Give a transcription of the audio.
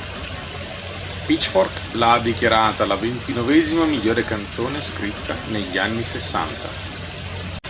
Pitchfork la ha dichiarata la ventinovesima miglior canzone scritta negli anni sessanta.